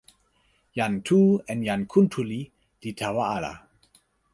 jan Tu en jan Kuntuli li tawa ala.